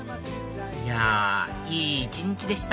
いやいい一日でした